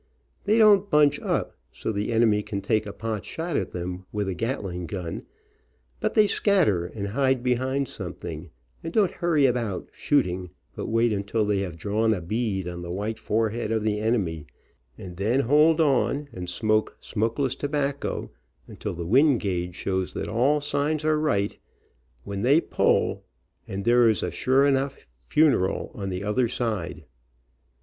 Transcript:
They don't bunch up, so the enemy can take a pot shot at them, with a Catling gun, but they scatter, and hide behind something, and don't hurry about shooting, but wait until they have drawn a bead on the white forehead of the enemy, and then hold on, and smoke smokeless tobacco, until the wind gauge shows that all signs are right, when they pull, and there is a sure enough funeral over on the other side.